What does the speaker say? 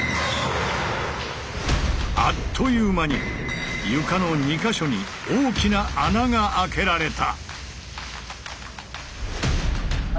あっという間に床の２か所に大きな穴が開けられた。